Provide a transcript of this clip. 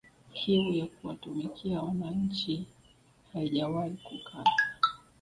Kiu ya kuwatumikia wananchi haijawahi kukata